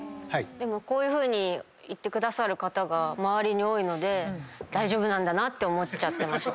こういうふうに言ってくださる方周りに多いので大丈夫なんだなって思ってました。